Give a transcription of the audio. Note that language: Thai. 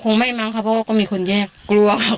คงไม่มั้งค่ะเพราะว่าก็มีคนแยกกลัว